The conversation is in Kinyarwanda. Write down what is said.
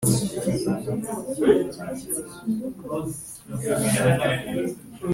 ishyirwa mu bikorwa rya Gahunda y Igihugu yo kwihutisha Iterambere